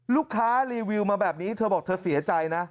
รีวิวมาแบบนี้เธอบอกเธอเสียใจนะ